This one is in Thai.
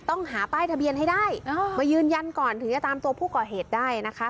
ต้องหาป้ายทะเบียนให้ได้มายืนยันก่อนถึงจะตามตัวผู้ก่อเหตุได้นะคะ